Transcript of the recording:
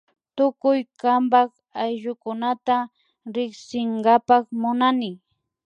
Tukuy kanpak ayllukunata riksinkapak munani